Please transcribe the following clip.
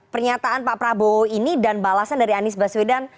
pernyataan pak prabowo ini dan balasan dari anies baswedan